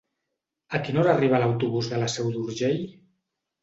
A quina hora arriba l'autobús de la Seu d'Urgell?